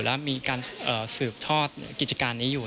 และมีการสืบทอดกิจการนี้อยู่